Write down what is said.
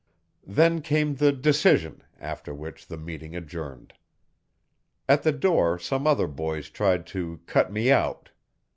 Then came the decision, after which the meeting adjourned. At the door some other boys tried 'to cut me out'.